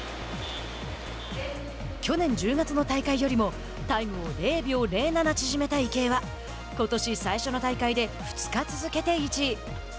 去年１０月の大会よりもタイムを０秒０７縮めた池江はことし最初の大会で２日続けて１位。